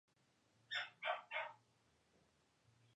Johnny no volvió a llamarle hasta el día de su muerte.